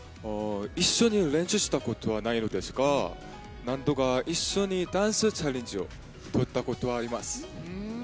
一緒に練習したことはないのですが何度か一緒にダンスチャレンジを撮ったことはあります。